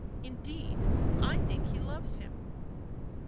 Indeed, I think he loves him."